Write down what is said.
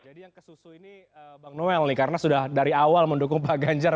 jadi yang ke susu ini bang noel nih karena sudah dari awal mendukung pak ganjar